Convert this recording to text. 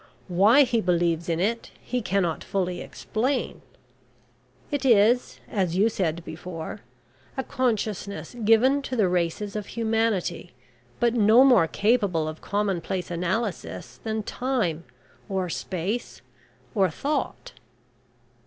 Why he believes in it he cannot fully explain. It is, as you said before, a consciousness given to the races of humanity, but no more capable of commonplace analysis than time, or space, or thought."